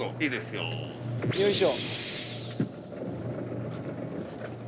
よいしょ。